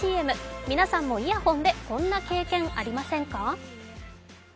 皆さんもイヤホンでこんな経験ありませんか？